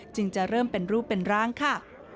จะเริ่มเป็นรูปเป็นร่างค่ะ